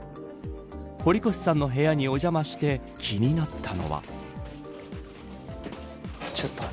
堀越さんの部屋にお邪魔して気になったのは。